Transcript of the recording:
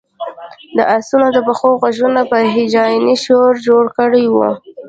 د آسونو د پښو غږونو یو هیجاني شور جوړ کړی و